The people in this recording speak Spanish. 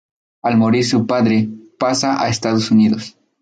Al morir su padre, pasa a Estados Unidos.